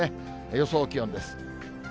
予想気温です。